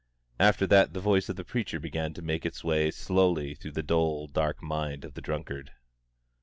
After that the voice of the preacher began to make its way slowly through the dull, dark mind of the drunkard.